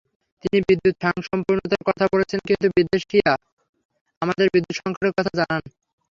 তিনি বিদ্যুতে স্বয়ংসম্পূর্ণতার কথা বলেছেন, কিন্তু বিদেশিরা আমাদের বিদ্যুৎ-সংকটের কথা জানেন।